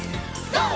ＧＯ！